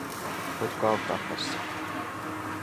Voitko auttaa tässä?